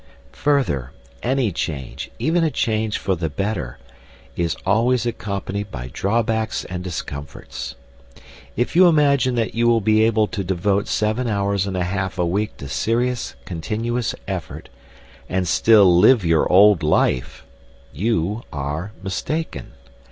Further, any change, even a change for the better, is always accompanied by drawbacks and discomforts. If you imagine that you will be able to devote seven hours and a half a week to serious, continuous effort, and still live your old life, you are mistaken.